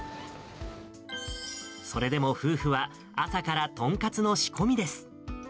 それでも夫婦は、朝から豚カツの仕込みです。